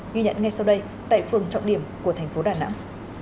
ghi nhận ngay sau đây tại phường trọng điểm của thành phố đà nẵng